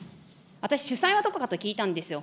私、主催はどこかと聞いたんですよ。